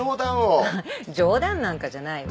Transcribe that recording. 冗談なんかじゃないわ。